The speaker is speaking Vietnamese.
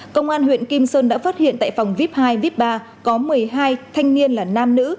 công an huyện kim sơn đã phát hiện tại phòng vip hai vip ba có một mươi hai thanh niên là nam nữ